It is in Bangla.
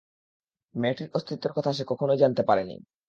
মেয়েটির অস্তিত্বের কথা সে কখনোই জানতে পারেনি।